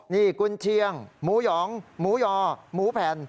นี่กุญเชียงหมูหยองหมูยอหมูแผ่น